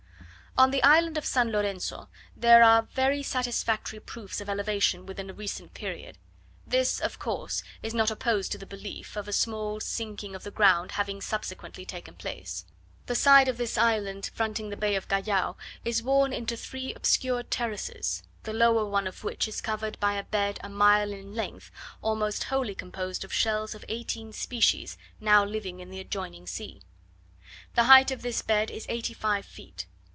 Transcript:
On the island of San Lorenzo, there are very satisfactory proofs of elevation within the recent period; this of course is not opposed to the belief, of a small sinking of the ground having subsequently taken place. The side of this island fronting the Bay of Callao, is worn into three obscure terraces, the lower one of which is covered by a bed a mile in length, almost wholly composed of shells of eighteen species, now living in the adjoining sea. The height of this bed is eighty five feet.